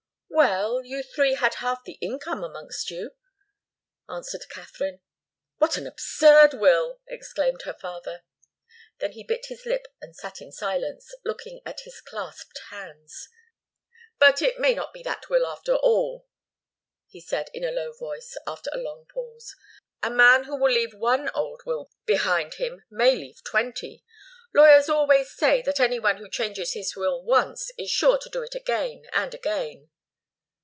"Well you three had half the income amongst you," answered Katharine. "What an absurd will!" exclaimed her father. Then he bit his lip and sat in silence, looking at his clasped hands. "But it may not be that will, after all," he said, in a low voice, after a long pause. "A man who will leave one old will behind him may leave twenty. Lawyers always say that any one who changes his will once is sure to do it again and again."